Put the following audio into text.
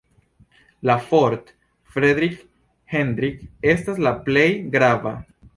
La "Fort Frederik Hendrik" estas la plej grava.